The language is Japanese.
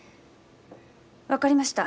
分かりました。